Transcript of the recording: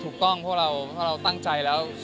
ถูกต้องเพราะเราตั้งใจแล้ว